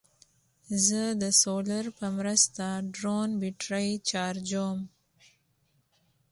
زه د سولر په مرسته ډرون بیټرۍ چارجوم.